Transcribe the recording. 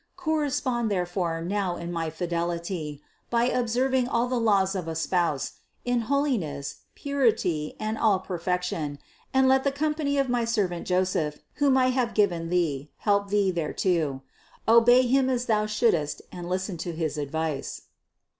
Correspond therefore now to my fidelity by observing all the laws of a spouse, in holiness, purity and all perfection and let the company of my servant Joseph, whom I have given Thee, help thee thereto. Obey him as thou shouldst and listen to his advice."